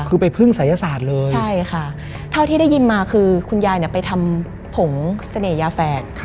คือไปพึ่งศัยศาสตร์เลยใช่ค่ะเท่าที่ได้ยินมาคือคุณยายไปทำผงเสน่หยาแฝด